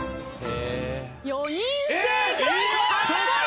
４人正解。